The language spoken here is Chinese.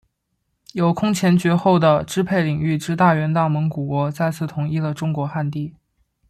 有空前绝后的支配领域之大元大蒙古国再次统一了中国汉地。